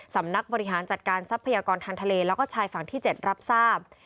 สำนักบริหารจัดการทรัพยากรทางทะเลแล้วก็ชายฝั่งที่๗รับทราบ